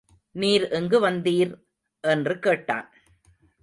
நீர் எங்கு வந்தீர்? என்று கேட்டான்.